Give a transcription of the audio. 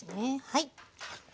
はい。